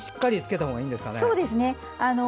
そうですね。